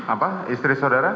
apa istri saudara